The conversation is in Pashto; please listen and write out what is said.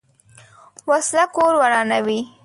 وسله کور ورانوي